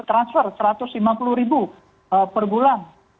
member rp satu ratus lima puluh per bulan